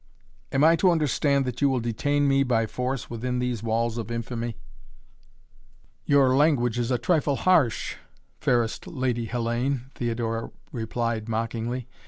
"Am I to understand that you will detain me by force within these walls of infamy?" "Your language is a trifle harsh, fairest Lady Hellayne," Theodora replied mockingly.